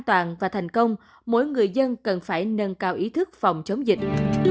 an toàn và thành công mỗi người dân cần phải nâng cao ý thức phòng chống dịch